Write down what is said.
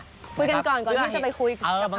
คุยกันก่อนมาก่อนที่จะไปคุยต่อไปกับชันไวล์ปีก่อน